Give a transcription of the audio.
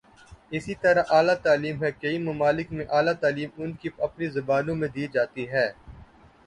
اسی طرح اعلی تعلیم ہے، کئی ممالک میںاعلی تعلیم ان کی اپنی زبانوں میں دی جاتی ہے۔